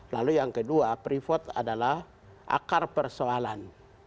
lalu yang kedua pripot adalah akar persoalan